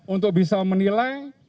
untuk bisa menilai